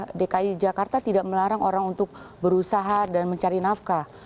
pemerintah dki jakarta tidak melarang orang untuk berusaha dan mencari nafkah